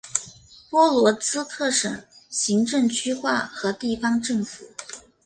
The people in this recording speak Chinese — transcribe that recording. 波罗兹克省行政区划和地方政府。